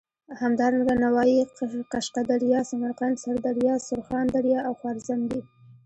همدارنګه نوايي، قشقه دریا، سمرقند، سردریا، سرخان دریا او خوارزم دي.